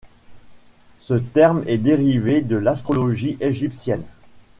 Ce terme est dérivé de l'astrologie égyptienne.